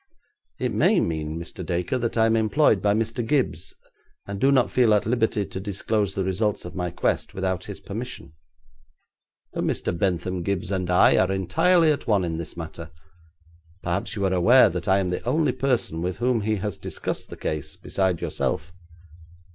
'It may mean, Mr. Dacre, that I am employed by Mr. Gibbes, and do not feel at liberty to disclose the results of my quest without his permission.' 'But Mr. Bentham Gibbes and I are entirely at one in this matter. Perhaps you are aware that I am the only person with whom he has discussed the case beside yourself.'